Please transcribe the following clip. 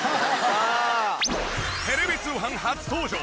テレビ通販初登場！